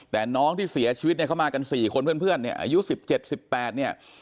แต่น้องที่เสียชีวิตเข้ามากันสี่คนเพื่อนอายุสิบเจ็บสิบแปดเนี่ย